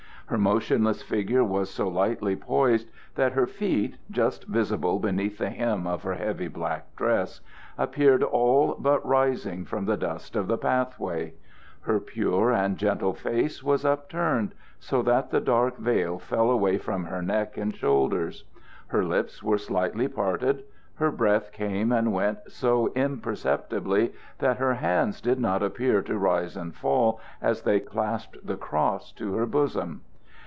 Her motionless figure was so lightly poised that her feet, just visible beneath the hem of her heavy black dress, appeared all but rising from the dust of the path way; her pure and gentle face was upturned, so that the dark veil fell away from her neck and shoulders; her lips were slightly parted; her breath came and went so imperceptibly that her hands did not appear to rise and fall as they clasped the cross to her bosom.